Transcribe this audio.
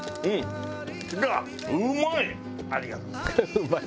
うまい！